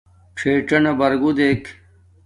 ڞݵڅَنݳ بَرگُو دݵک.